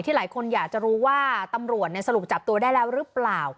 หลายคนอยากจะรู้ว่าตำรวจสรุปจับตัวได้แล้วหรือเปล่า